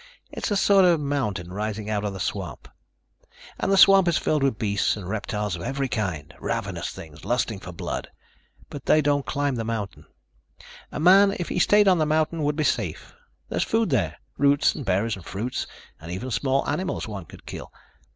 It's a sort of mountain rising out of the swamp. And the swamp is filled with beasts and reptiles of every kind. Ravenous things, lusting for blood. But they don't climb the mountain. A man, if he stayed on the mountain, would be safe. There's food there. Roots and berries and fruits and even small animals one could kill.